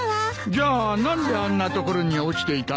じゃあ何であんな所に落ちていたんだ？